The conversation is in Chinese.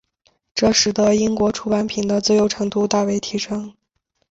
这使得英国出版品的自由程度大为提升。